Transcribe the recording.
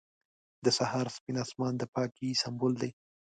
• د سهار سپین آسمان د پاکۍ سمبول دی.